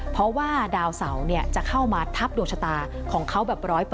เพราะว่าดาวเสาจะเข้ามาทับดวงชะตาของเขาแบบ๑๐๐